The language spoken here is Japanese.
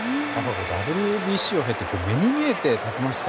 ＷＢＣを経て目に見えてたくましさ